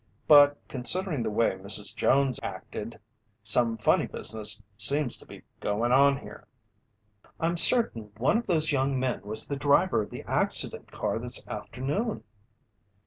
But considering the way Mrs. Jones acted, some funny business seems to be going on here." "I'm certain one of those young men was the driver of the accident car this afternoon!"